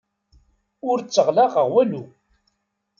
Ur tteɣlaqeɣ walu.